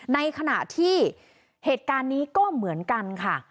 ในขณะที่เหตุการณ์นี้ก็เหมือนกันค่ะ